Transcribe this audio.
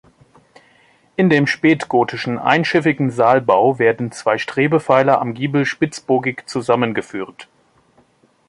In dem spätgotischen, einschiffigen Saalbau werden zwei Strebepfeiler am Giebel spitzbogig zusammengeführt.